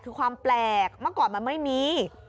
คือความแปลกเมื่อก่อนมันไม่มี